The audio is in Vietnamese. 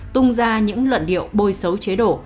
tung ra những luận điệu bôi xấu chế độ